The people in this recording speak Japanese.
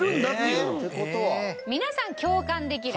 皆さん共感できる。